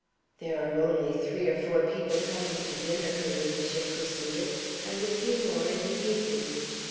"There are only three or four people coming to dinner," her ladyship proceeded; "and a few more in the evening.